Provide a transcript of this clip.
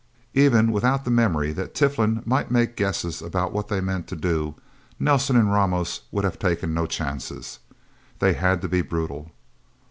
Even without the memory that Tiflin might make guesses about what they meant to do, Nelsen and Ramos would have taken no chances. They had to be brutal.